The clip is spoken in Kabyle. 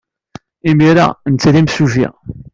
Imir-a, netta d imsujji.